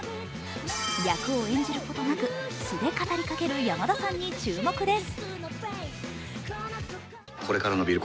役を演じることなく素で語りかける山田さんに注目です。